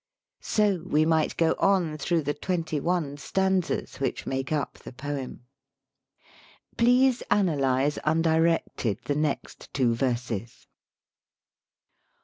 So we might go on through the twenty one stanzas which make up the poem. Please analyze undirected the next two verses.